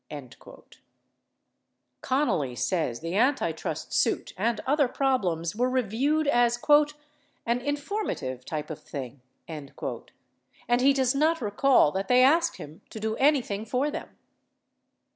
94 Connally says the antitrust suit and other problems were reviewed as "an informative type of thing," and he does not recall that they asked him to do anything for them.